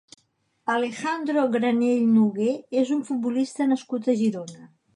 Alejandro Granell Nogué és un futbolista nascut a Girona.